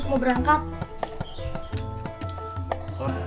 itu buat amin